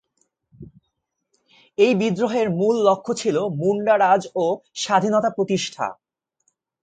এই বিদ্রোহের মূল লক্ষ্য ছিল মুন্ডা রাজ ও স্বাধীনতা প্রতিষ্ঠা।